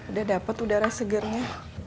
udah dapet udara segernya